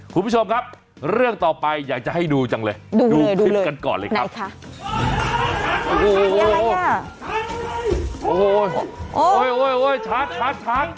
คุณผู้ชมครับเรื่องต่อไปอยากจะให้ดูจังเลยดูคลิปกันก่อนเลยครับ